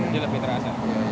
jadi lebih terasa